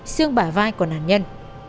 xương bả vai của nạn nhân